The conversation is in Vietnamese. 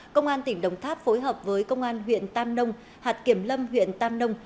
công an tỉnh đồng tháp phối hợp với công an huyện tam nông hạt kiểm lâm huyện tam nông